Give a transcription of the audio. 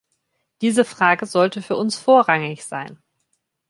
Diese Frage sollte für uns vorrangig sein.